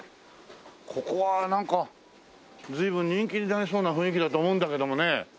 ここはなんか随分人気になりそうな雰囲気だと思うんだけどもね。